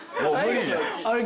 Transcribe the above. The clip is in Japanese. あれ？